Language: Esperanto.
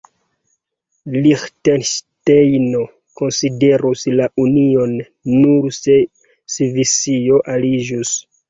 Liĥtenŝtejno konsiderus la union, nur se Svisio aliĝus.